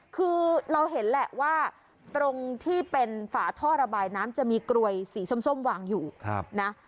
คือเราเห็นแหละว่าตรงที่เป็นฝาท่อระบายน้ำจะมีกรวยสีส้มวางอยู่นะ